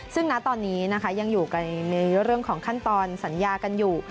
ซึ่งณตอนนี้นะคะยังอยู่ในเรื่องของขั้นตอนสัญญากันอยู่